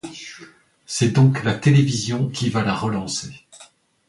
C'est donc la télévision qui va la relancer.